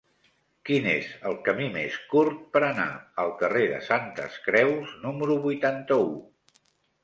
Quin és el camí més curt per anar al carrer de Santes Creus número vuitanta-u?